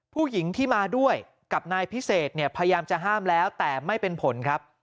ผู้หญิงที่มาด้วยกับนายพิเศษเนี่ยพยายามจะห้ามแล้วแต่ไม่เป็นผลครับ